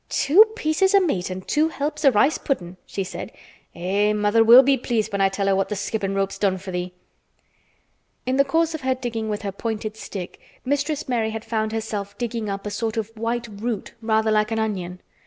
"Two pieces o' meat an' two helps o' rice puddin'!" she said. "Eh! mother will be pleased when I tell her what th' skippin' rope's done for thee." In the course of her digging with her pointed stick Mistress Mary had found herself digging up a sort of white root rather like an onion.